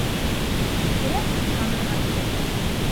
Күрәһең, танырға теләй.